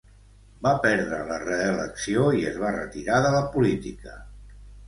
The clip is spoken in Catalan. Va perdre la reelecció i es va retirar de la política.